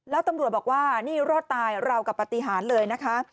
แล้วตำรวจบอกว่านี่รอดตายราวกับปฏิหารเลยนะคะ